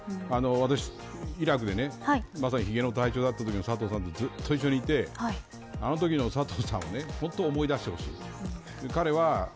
私、イラクでひげの隊長だったときの佐藤さんとずっと一緒にいてあのときの佐藤さんは本当に思い出してほしい、彼は。